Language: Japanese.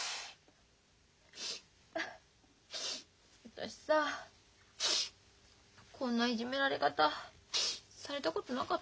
私さこんないじめられ方されたことなかった。